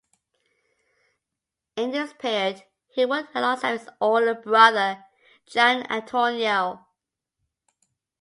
In this period he worked alongside his older brother, Gian Antonio.